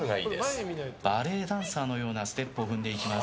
バレエダンサーのようなステップを踏んでいきます。